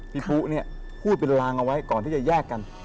ปุ๊เนี่ยพูดเป็นรางเอาไว้ก่อนที่จะแยกกัน